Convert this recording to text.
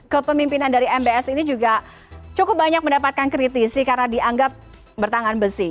kepemimpinan dari mbs ini juga cukup banyak mendapatkan kritisi karena dianggap bertangan besi